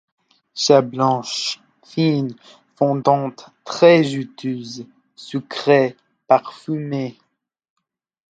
Chair blanche, fine, fondante, très juteuse, sucrée, parfumée.